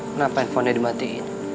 kenapa handphonenya dimatiin